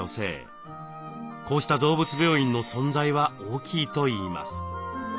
こうした動物病院の存在は大きいといいます。